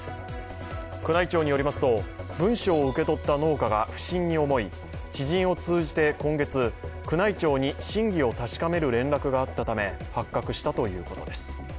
宮内庁によりますと、文書を受け取った農家が不審に思い、知人を通じて、今月、宮内庁に真偽を確かめる連絡があったため発覚したということです。